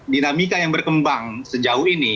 dinamika yang berkembang sejauh ini